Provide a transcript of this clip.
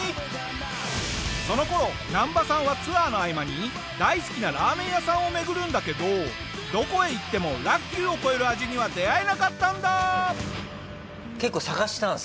その頃ナンバさんはツアーの合間に大好きなラーメン屋さんを巡るんだけどどこへ行っても楽久を超える味には出会えなかったんだ！